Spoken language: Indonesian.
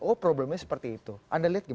oh problemnya seperti itu anda lihat